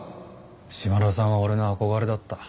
島田さんは俺の憧れだった。